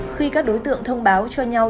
khi các đối tượng thông báo cho nhau